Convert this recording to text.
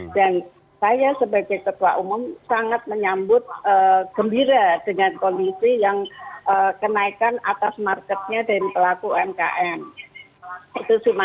dan saya sebagai ketua umum sangat menyambut gembira dengan kondisi yang kenaikan atas marketnya dari pelaku umkm